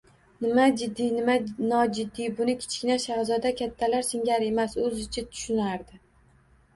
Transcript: Nima jiddiy, nima nojiddiy — buni Kichkina shahzoda kattalar singari emas, o‘zicha tushunardi.